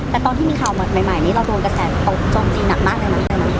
แต่ตอนที่มีข่าวใหม่นี่เราโดนกระแสตกจนจีนหนักมากเลยมั้ยครับ